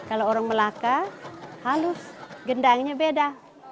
kalau orang melaka halus gendangnya beda